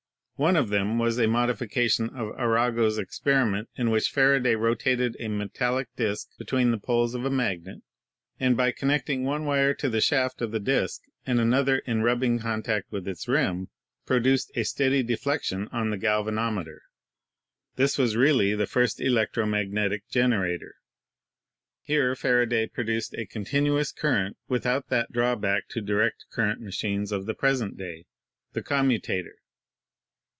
One of them was a modification of Arago's experiment in which Faraday rotated a metallic disk between the poles of a magnet, and, by connecting one wire to the shaft of the disk and another in rubbing con tact with its rim, produced a steady deflection on the gal vanometer. This was really the first electro magnetic gen erator. Here Faraday produced a continuous current without that drawback to direct current machines of the present day — the commutator.